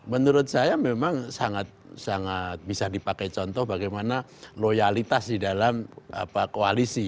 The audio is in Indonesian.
menurut saya memang sangat bisa dipakai contoh bagaimana loyalitas di dalam koalisi